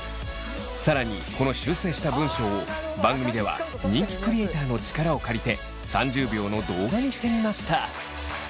さらにこの修正した文章を番組では人気クリエイターの力を借りて３０秒の動画にしてみました。